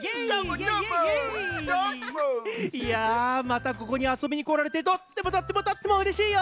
いやまたここにあそびにこられてとってもとってもとってもうれしいよ！